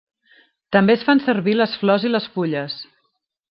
També es fan servir les flors i les fulles.